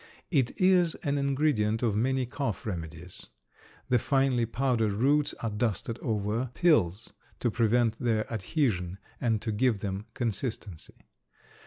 It is an ingredient of many cough remedies. The finely powdered roots are dusted over pills to prevent their adhesion and to give them consistency.